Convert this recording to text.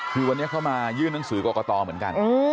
คือวันนี้เขามายื่นหนังสือกรกตเหมือนกัน